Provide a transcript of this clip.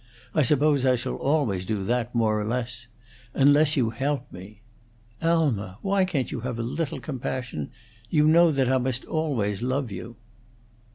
I suppose I shall always do that more or less unless you help me. Alma! Why can't you have a little compassion? You know that I must always love you."